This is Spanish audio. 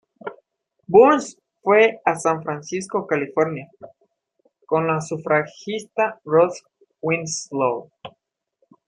Burns fue a San Francisco, California, con la sufragista Rose Winslow.